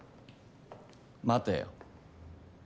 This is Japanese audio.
待てよ。